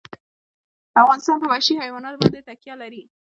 افغانستان په وحشي حیوانات باندې تکیه لري.